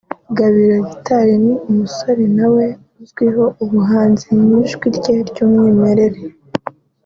Gabiro Guitar ni umusore nawe uzwiho ubuhanga mu ijwi rye ry’umwimerere